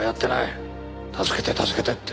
助けて助けて」って。